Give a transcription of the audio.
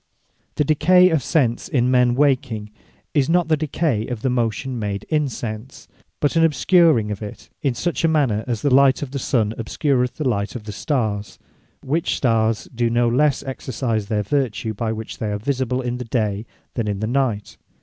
Memory The decay of Sense in men waking, is not the decay of the motion made in sense; but an obscuring of it, in such manner, as the light of the Sun obscureth the light of the Starres; which starrs do no less exercise their vertue by which they are visible, in the day, than in the night.